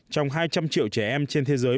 trong hai trăm linh triệu trẻ em trên thế giới